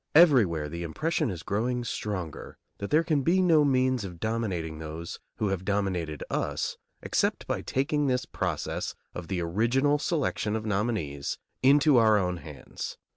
Everywhere the impression is growing stronger that there can be no means of dominating those who have dominated us except by taking this process of the original selection of nominees into our own hands.